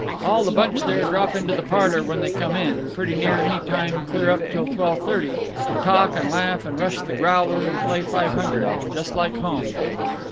All the bunch there drop into the parlor when they come in, pretty near any time clear up till twelve thirty, and talk and laugh and rush the growler and play Five Hundred. Just like home!